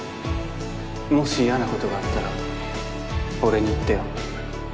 もし嫌なことがあったら俺に言ってよ